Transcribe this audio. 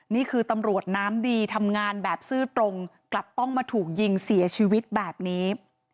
นี่คือตำรวจน้ำดีทำงานแบบซื่อตรงกลับต้องมาถูกยิงเสียชีวิตแบบนี้